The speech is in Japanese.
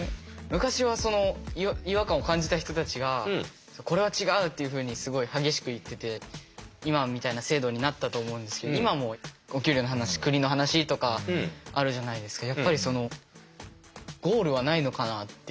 昔は違和感を感じた人たちがこれは違うっていうふうにすごい激しく言ってて今みたいな制度になったと思うんですけど今もお給料の話国の話とかあるじゃないですか。